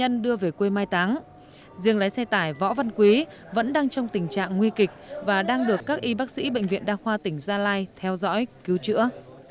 nạn nhân đưa về quê mai táng riêng lái xe tải võ văn quý vẫn đang trong tình trạng nguy kịch và đang được các y bác sĩ bệnh viện đa khoa tỉnh gia lai theo dõi cứu chữa